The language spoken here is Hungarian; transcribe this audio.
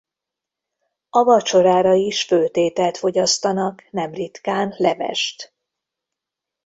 A vacsorára is főtt ételt fogyasztanak nem ritkán levest.